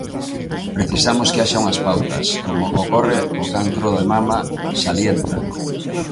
Precisamos que haxa unhas pautas, como ocorre co cancro de mama, salienta.